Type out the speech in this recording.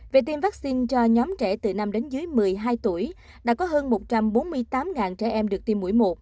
về tiêm vaccine cho nhóm trẻ từ năm đến dưới một mươi hai tuổi đã có hơn một trăm bốn mươi tám trẻ em được tiêm mũi một